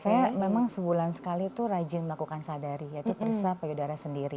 saya memang sebulan sekali itu rajin melakukan sadari yaitu periksa payudara sendiri